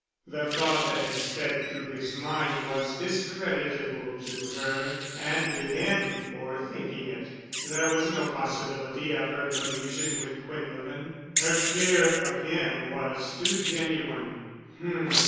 The thought that had sped through his mind was discreditable to her and to him for thinking it. There was no possibility of her collusion with Quinlevin. Her fear of him was too genuine. "H m.